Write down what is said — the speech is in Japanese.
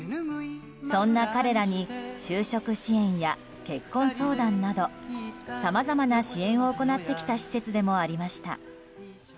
そんな彼らに就職支援や結婚相談などさまざまな支援を行ってきた施設でもありました。